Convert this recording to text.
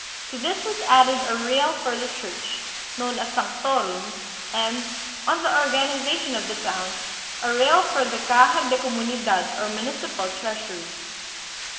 To this was added a real for the church, known as " sanctorum," and, on the organization of the towns, a real for the caja de communidad or municipal treasury.